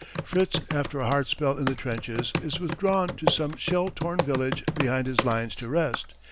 Fritz after a hard spell in the trenches is withdrawn to some shell torn village behind his lines to rest.